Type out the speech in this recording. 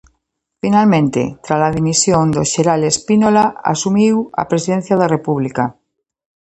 Finalmente, trala dimisión do xeneral Spínola asumiu a presidencia da República.